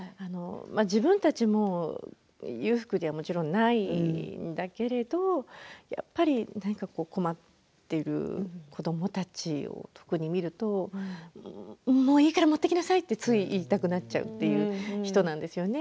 自分たちも裕福ではもちろんないんだけれどやっぱり何か困っている子どもたちを特に見るといいから持っていきなさいってつい言いたくなっちゃうという人なんですよね。